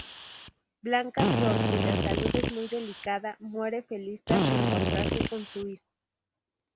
Blanca Flor, cuya salud es muy delicada, muere feliz tras reencontrarse con su hijo.